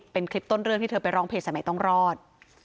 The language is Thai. เป็นคลิปต้นเรื่องที่เธอไปร้องเพจสายใหม่ต้องรอด